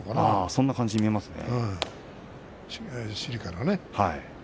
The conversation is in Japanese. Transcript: そんな感じに見えますね。